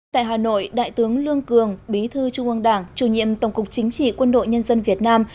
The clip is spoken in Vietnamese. tại hà nội đại tướng lương cường bí thư trung ương đảng chủ nhiệm tổng cục chính trị quân đội nhân dân việt nam